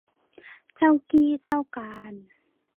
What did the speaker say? เจ้ากี้เจ้าการ